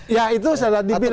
ya itu salah dibilang